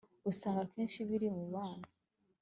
usanga akenshi biri mubana